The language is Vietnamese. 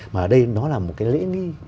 mà ở đây nó là một cái lễ nghi